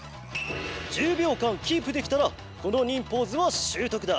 １０びょうかんキープできたらこの忍ポーズはしゅうとくだ。